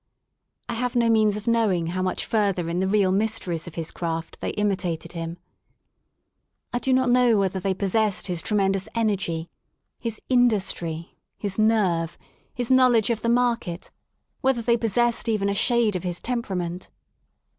I have no means of knowing how much further in the real mysteries of his craft they imitated him. I do not 80 WORK IN LONDON know whether they possessed his tremendous energy, his industry, his nerve, his knowledge of the market— whether they possessed even a shade of his tempera ment.